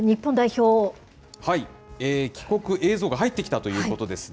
帰国映像が入ってきたということですね。